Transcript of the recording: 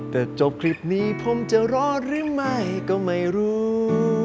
แต่จบคลิปนี้ผมจะร้อนหรือไม่ก็ไม่รู้